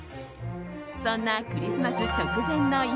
そんなクリスマス直前の今